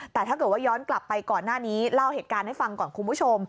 แต่ถ้าเกิดว่าย้อนกลับไปก่อนหน้านี้เล่าเหตุการณ์ให้ฟังก่อนคุณผู้ชม